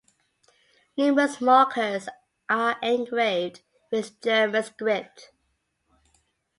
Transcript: Numerous markers are engraved with German script.